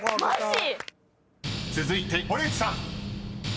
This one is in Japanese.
［続いて堀内さん］